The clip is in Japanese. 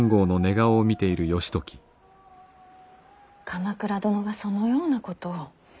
鎌倉殿がそのようなことを。